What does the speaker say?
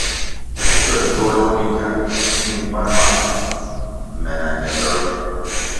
Schwen bwelgu mingya mi mpan ma me na ñe dol.